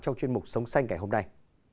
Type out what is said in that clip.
trong chuyên mục sống xanh ngày hôm nay